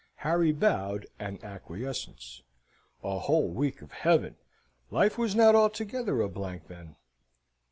Harry bowed an acquiescence. A whole week of heaven! Life was not altogether a blank, then.